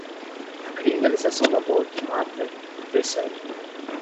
A criminalização do aborto mata, persegue